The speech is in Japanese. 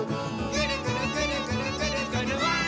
「ぐるぐるぐるぐるぐるぐるわい！」